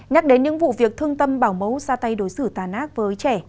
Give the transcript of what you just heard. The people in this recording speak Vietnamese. nhắc đến những vụ việc thương tâm bảo mẫu ra tay đối xử tàn ác với trẻ